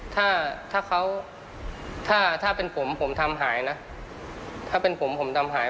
ถ้าถ้าเขาถ้าถ้าเป็นผมผมทำหายนะถ้าเป็นผมผมทำหาย